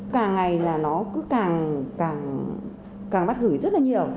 càng ngày là nó cứ càng mắt gửi rất là nhiều